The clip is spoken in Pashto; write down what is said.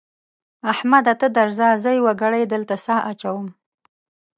احمده ته درځه؛ زه يوه ګړۍ دلته سا اچوم.